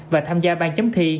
và tham gia ban chấm thi